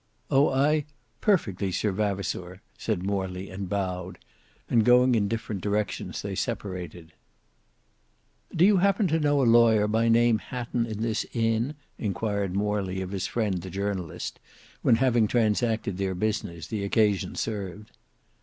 "Oh I perfectly, Sir Vavasour;" and Morley bowed; and going in different directions, they separated. "Do you happen to know a lawyer by name Hatton in this Inn?" inquired Morley of his friend the journalist, when, having transacted their business, the occasion served.